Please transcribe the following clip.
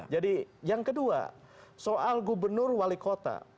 jadi yang kedua soal gubernur wali kota